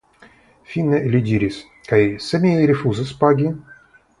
Fine li diris: Kaj se mi rifuzas pagi?